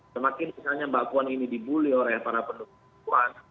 semakin misalnya mbak puan ini dibully oleh para pendukung puan